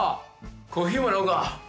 コーヒーもらおうか。